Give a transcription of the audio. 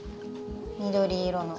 緑色の。